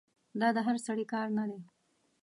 دا د هر سړي کار نه دی.